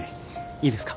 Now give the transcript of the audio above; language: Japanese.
いいですか？